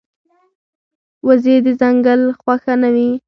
وزې د ځنګل خوښه نه وي